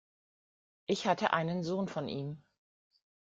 Ich hatte einen Sohn von ihm.